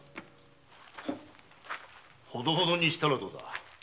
ほどほどにしたらどうだ。